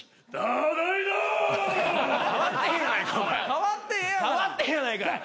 変わってへんやないかい。